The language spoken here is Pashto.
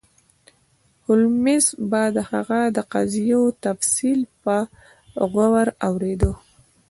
هولمز به د هغه د قضیو تفصیل په غور اوریده.